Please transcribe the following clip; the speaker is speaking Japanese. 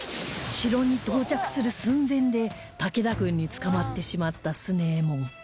城に到着する寸前で武田軍に捕まってしまった強右衛門